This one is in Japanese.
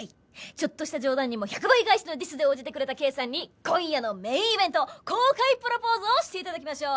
ちょっとした冗談にも１００倍返しのディスで応じてくれたＫさんに今夜のメインイベント公開プロポーズをして頂きましょう！